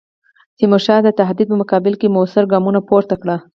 تیمورشاه د تهدید په مقابل کې موثر ګام پورته کړ.